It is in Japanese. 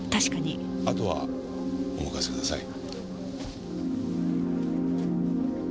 あとはお任せください。